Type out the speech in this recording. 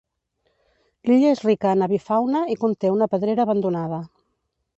L'illa és rica en avifauna, i conté una pedrera abandonada.